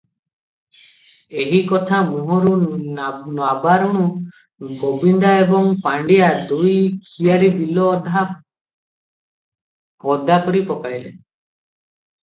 ଏହି କଥା ମୁହଁରୁ ନବାହାରୁଣୁ ଗୋବିନ୍ଦା ଏବଂ ପାଣ୍ଡିଆ ଦୁଇ କିଆରୀ ବିଲ ଅଧା ପଦା କରିପକାଇଲେ ।